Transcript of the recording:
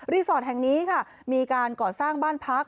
สอร์ทแห่งนี้ค่ะมีการก่อสร้างบ้านพัก